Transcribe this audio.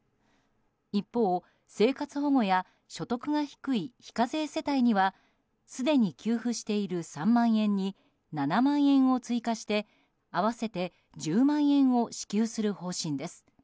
一方、生活保護や所得が低い非課税世帯にはすでに給付している３万円に７万円を追加して合わせて１０万円を支給する方針です。